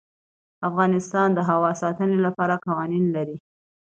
افغانستان د هوا د ساتنې لپاره قوانین لري.